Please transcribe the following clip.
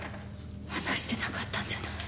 話してなかったんじゃない？